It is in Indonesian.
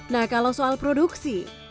nah kalau soal produksi